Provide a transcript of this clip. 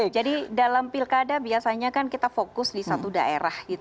jadi dalam pilkada biasanya kan kita fokus di satu daerah